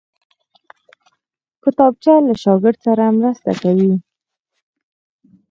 کتابچه له شاګرد سره مرسته کوي